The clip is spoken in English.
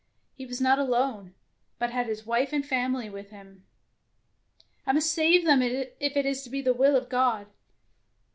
He was not alone, but had his wife and family with him. " I must save them if it be the will of G od.